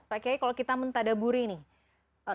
pak kiai kalau kita mentadaburi nih